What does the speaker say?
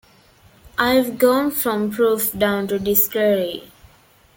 I've gone from "Proof" down to "Distillery."